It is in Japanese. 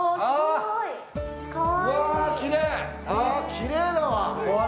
きれいだわ。